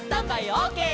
オーケー！」